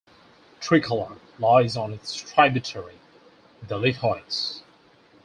Trikala lies on its tributary, the Lethaios.